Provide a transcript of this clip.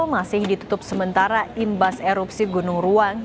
masih ditutup sementara imbas erupsi gunung ruang